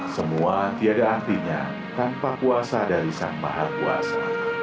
semua tiada artinya tanpa kuasa dari sang maha kuasa